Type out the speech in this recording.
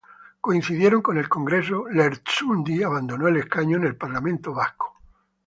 Coincidiendo con el Congreso, Lertxundi abandonó el escaño en el Parlamento Vasco.